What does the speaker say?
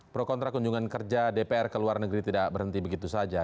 pro kontra kunjungan kerja dpr ke luar negeri tidak berhenti begitu saja